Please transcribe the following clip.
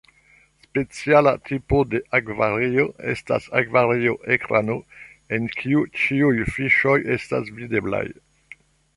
Speciala tipo de akvario estas akvario-ekrano en kiu ĉiuj fiŝoj estas videblaj.